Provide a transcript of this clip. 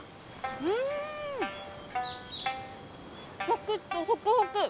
サクッとホクホク！